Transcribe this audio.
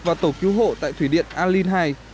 vào tổ cứu hộ tại thủy điện alin hai